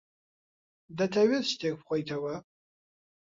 دەتەوێت شتێک بخۆیتەوە؟